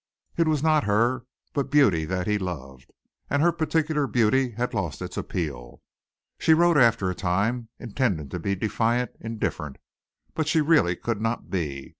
It was not her but beauty that he loved, and her particular beauty had lost its appeal. She wrote after a time, intending to be defiant, indifferent, but she really could not be.